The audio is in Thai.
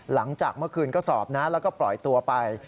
หลังจากเมื่อคืนก็สอบนะแล้วก็ปล่อยตัวไป